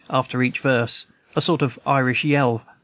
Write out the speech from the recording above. after each verse, a sort of Irish yell.